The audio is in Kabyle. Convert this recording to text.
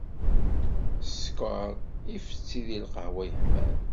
Skeṛ ifetti di lqehwa yeḥman.